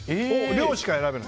量しか選べない。